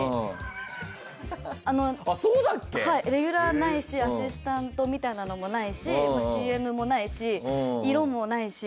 レギュラーないしアシスタントみたいなのもないしＣＭもないし。